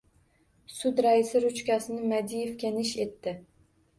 Sud raisi ruchkasini Madievga nish etdi.